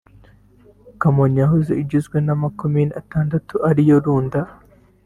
Kamonyi yahoze igizwe n’amakomine atandatu ariyo Runda